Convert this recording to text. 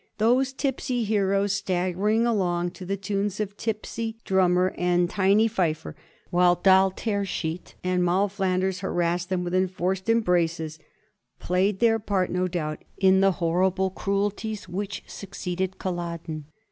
Those tipsy heroes, stagger ing along to the tunes of tipsy drummer and tiny fifer, while Doll Tearsheet and Moll Flanders harass them with enforced embraces, played their part no doubt in the hor rible cruelties which succeeded Culloden.